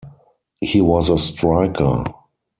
He was a striker.